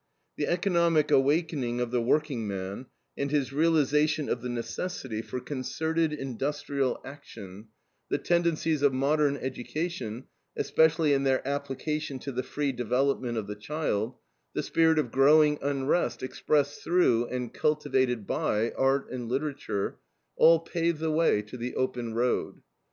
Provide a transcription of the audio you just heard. The economic awakening of the workingman, and his realization of the necessity for concerted industrial action; the tendencies of modern education, especially in their application to the free development of the child; the spirit of growing unrest expressed through, and cultivated by, art and literature, all pave the way to the Open Road.